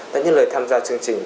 đã nhấn lời tham gia chương trình